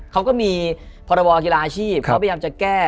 เขาก็มีพรบกีฬาอาชีพเขาพยายามจะแก้